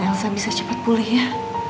yelso bisa cepet pulih ya